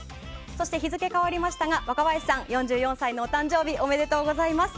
そして日付変わりましたが若林さん、４４歳のお誕生日おめでとうございます。